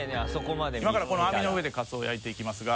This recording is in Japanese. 今からこの網の上でカツオを焼いていきますが。